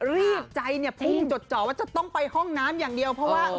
รีบใจจะต้องไปห้องน้ำอย่างเดียว